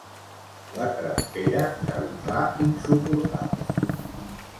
La trempera se li fa insuportable.